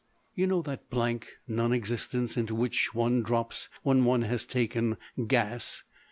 You know that blank non existence into which one drops when one has taken "gas."